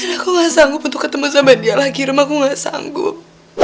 aku gak sanggup untuk ketemu sama dia lagi rumahku gak sanggup